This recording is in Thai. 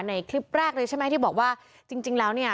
ในคลิปแรกเลยใช่ไหมที่บอกว่าจริงจริงแล้วเนี่ย